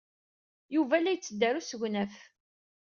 Yuba la yetteddu ɣer usegnaf.